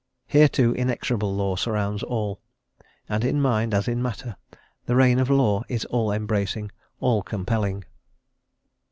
Here, too, inexorable law surrounds all, and in mind, as in matter, the "reign of law" Is all embracing, all compelling.